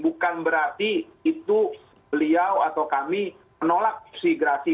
bukan berarti itu beliau atau kami menolak opsi gerasi